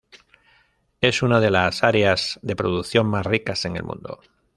Es una de las áreas de producción más ricas en el mundo.